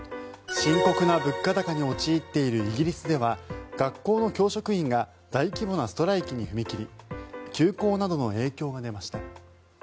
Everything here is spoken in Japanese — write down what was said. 深刻な物価高に陥っているイギリスでは学校の教職員が大規模なストライキに踏み切り休校などの影響が出ました。